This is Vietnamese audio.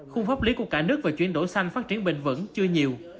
khung pháp lý của cả nước về chuyển đổi xanh phát triển bình vẩn chưa nhiều